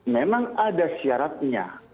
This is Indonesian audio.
memang ada syaratnya